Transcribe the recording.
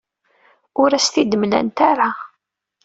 Ur as-t-id-mlant ara.